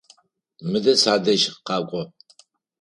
Мыдэ садэжь къакӏо!